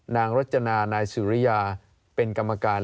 รจนานายสุริยาเป็นกรรมการ